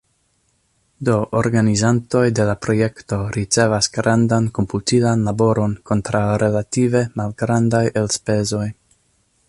Do organizantoj de la projekto ricevas grandan komputilan laboron kontraŭ relative malgrandaj elspezoj.